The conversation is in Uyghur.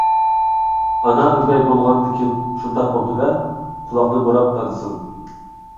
ئانا ئۆگەي بولغاندىكىن شۇنداق بوپتۇ-دە، قۇلاقنى بۇراپ دادىسىنىڭ...